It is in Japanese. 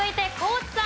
地さん